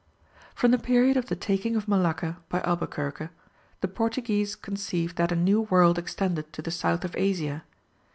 From the period of the taking of Malacca by Albuquerque, the Portuguese conceived that a new world extended to the south of Asia.